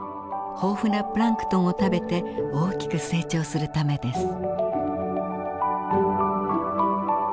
豊富なプランクトンを食べて大きく成長するためです。